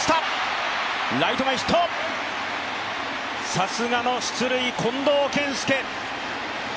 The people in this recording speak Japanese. さすがの出塁、近藤健介。